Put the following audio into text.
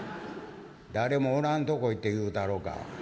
誰もおらん所行って言うたろか？」。